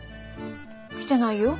来てないよ。